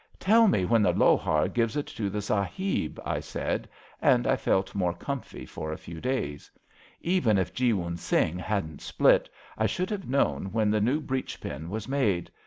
* Tell me when the lohar gives it to the Sahib,' I said, and I felt more comfy for a few days. Even if Jeewun Singh hadn't split I should have known when the new breech pin was made.